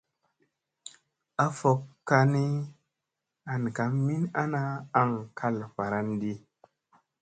A fokkani an ka min ana aŋ kal varandi.